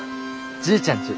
じいちゃんち。